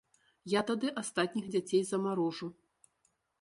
Я тады астатніх дзяцей замарожу.